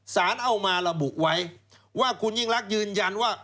สารเอามาระบุไว้ว่าคุณยิ่งรักยืนยันว่า